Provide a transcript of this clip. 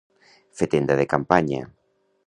Fer tenda de campanya.